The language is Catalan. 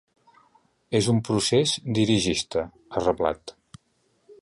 És un procés dirigista, ha reblat.